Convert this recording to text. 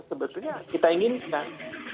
sebetulnya kita inginkan